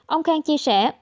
ông khang chia sẻ